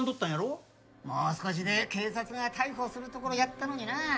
もう少しで警察が逮捕するところやったのになあ。